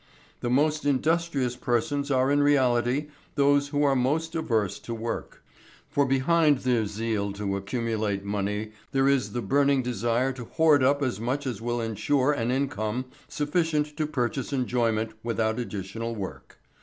The most industrious persons are in reality those who are most averse to work. For behind their zeal to accumulate money there is the burning desire to hoard up as much as will ensure an income sufficient to purchase enjoyment without additional work.